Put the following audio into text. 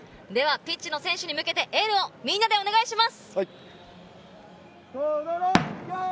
ピッチの選手に向けてエールをみんなでお願いします。